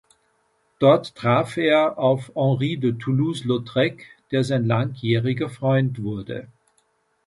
Dort traf er auf Henri de Toulouse-Lautrec, der sein langjähriger Freund wurde.